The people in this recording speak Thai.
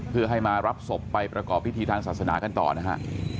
เพื่อให้มารับศพไปประกอบพิธีทางศาสนากันต่อนะฮะ